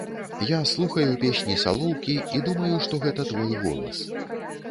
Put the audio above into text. Я слухаю песні салоўкі і думаю, што гэта твой голас.